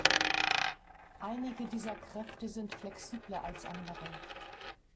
Einige dieser Kräfte sind flexibler als andere.